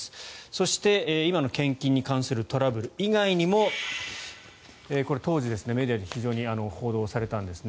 そして、今の献金に関するトラブル以外にもこれは当時メディアで非常に報道されたんです